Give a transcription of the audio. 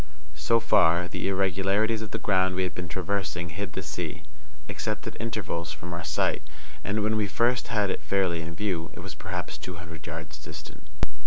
So far, the irregularities of the ground we had been traversing hid the sea, except at intervals, from our sight, and, when we first had it fairly in view, it was perhaps two hundred yards distant.